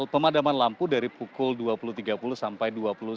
pemadaman lampu dari pukul dua puluh tiga puluh sampai dua puluh satu